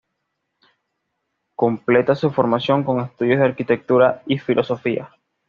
Completa su formación con estudios de Arquitectura y Filosofía.